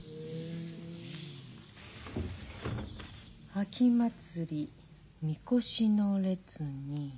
「秋祭り神輿の列に」。